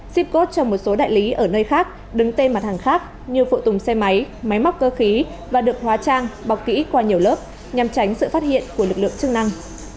shipos cho một số đại lý ở nơi khác đứng tên mặt hàng khác như phụ tùng xe máy máy móc cơ khí và được hóa trang bọc kỹ qua nhiều lớp nhằm tránh sự phát hiện của lực lượng chức năng